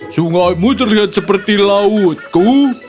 sungaimu terlihat seperti lautku